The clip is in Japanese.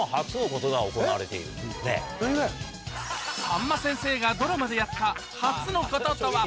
さんま先生がドラマでやった初のこととは？